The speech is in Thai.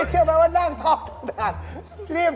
เฮ้ยเดี๋ยว